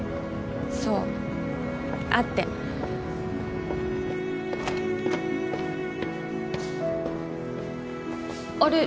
そう会ってあれ？